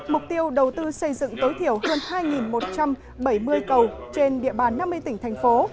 mục tiêu đầu tư xây dựng tối thiểu hơn hai một trăm bảy mươi cầu trên địa bàn năm mươi tỉnh thành phố